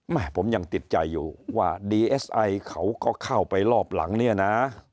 แม่ผมยังติดใจอยู่ว่าดีเอสไอเขาก็เข้าไปรอบหลังเนี่ยนะ